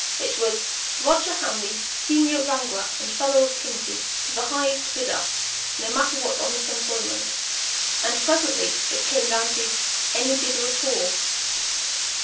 It was "Roger Hamley, senior wrangler and Fellow of Trinity, to the highest bidder, no matter what honest employment," and presently it came down to "any bidder at all."